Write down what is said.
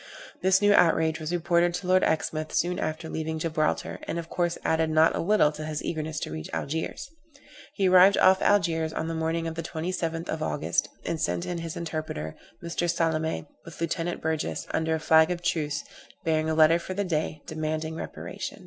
This new outrage was reported to Lord Exmouth soon after leaving Gibraltar, and of course added not a little to his eagerness to reach Algiers. He arrived off Algiers on the morning of the 27th of August, and sent in his interpreter, Mr. Salame, with Lieutenant Burgess, under a flag of truce, bearing a letter for the Dey, demanding reparation.